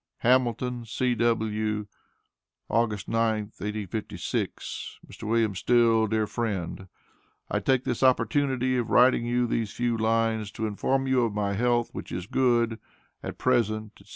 Hamilton, C.W., August 9th, 1856. MR. WM. STILL; Dear Friend: I take this opportunity of writing you these few lines to inform you of my health, which is good at present, &c.